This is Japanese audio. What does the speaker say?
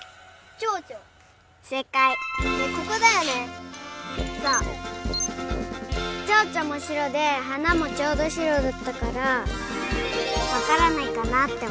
チョウチョもしろではなもちょうどしろだったからわからないかなっておもった。